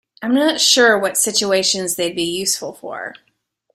I'm not sure what situations they'd be useful for.